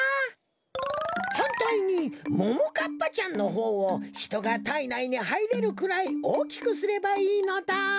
はんたいにももかっぱちゃんのほうをひとがたいないにはいれるくらいおおきくすればいいのだ。